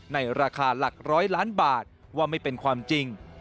ในราคาหลักร้อยล้านบาทว่าไม่เป็นความจริง